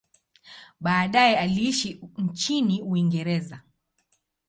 Baadaye aliishi nchini Uingereza.